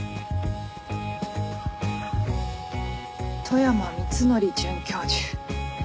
富山光則准教授。